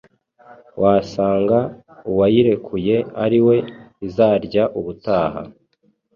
wasanga uwayirekuye ariwe izarya ubutaha